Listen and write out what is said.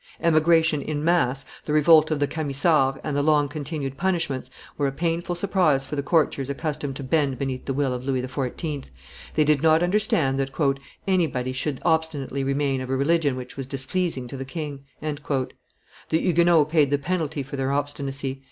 Emigration in mass, the revolt of the Camisards, and the long continued punishments, were a painful surprise for the courtiers accustomed to bend beneath the will of Louis XIV.; they did not understand that "anybody should obstinately remain of a religion which was displeasing to the king." The Huguenots paid the penalty for their obstinacy.